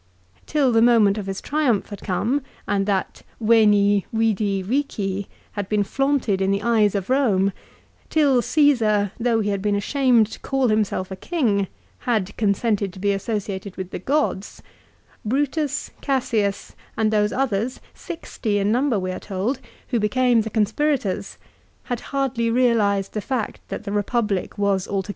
Till the moment of his triumph had come, and that "Veni, vidi, vici" had been flaunted in the eyes of Rome, till Caesar, though he had been ashamed to call himself a king, had consented to be associated with the gods, Brutus, Cassius, and those others, sixty in number we are told, who became the conspirators, had hardly realised the fact that the Republic was altogether 1 Mommsen, Book v.